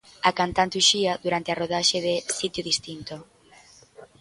A cantante Uxía durante a rodaxe de 'Sitio Distinto'.